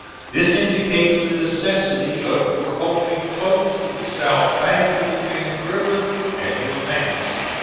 This indicates the necessity of your holding close to the south bank of the James River as you advance.